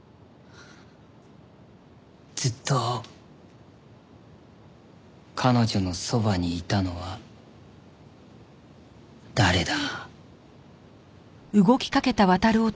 ずっと彼女のそばにいたのは誰だ？